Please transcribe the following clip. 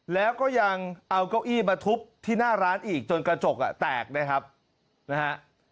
แล้วก็ยังเอาเก้าอี้มาทุบที่หน้าร้านอีกจนกระจกอ่ะแตกนะครับนะฮะ